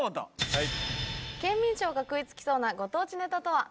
はい。